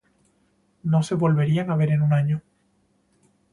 No se volverían a ver en un año.